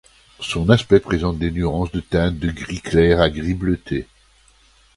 Son aspect présente des nuances de teinte de gris clair à gris bleuté.